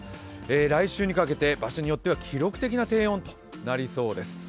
来週にかけて場所によっては記録的な低温となりそうです。